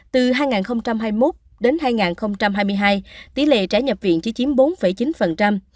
từ hai nghìn hai mươi một đến hai nghìn hai mươi hai tỷ lệ trẻ nhập viện chỉ chiếm bốn chín